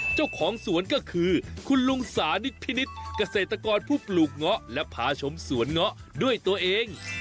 เจ้าของสวนก็คือคุณลุงสานิทพินิษฐ์เกษตรกรผู้ปลูกเงาะและพาชมสวนเงาะด้วยตัวเอง